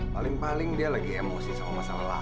paling paling dia lagi emosi sama masalah lain